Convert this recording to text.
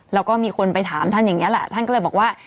แล้วก็มีคนไปถามท่านอย่างนี้แหละท่านก็เลยบอกว่า